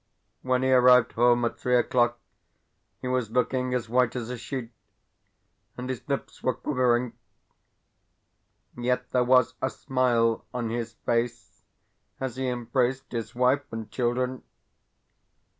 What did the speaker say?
When he arrived home at three o'clock he was looking as white as a sheet, and his lips were quivering. Yet there was a smile on his face as he embraced his wife and children.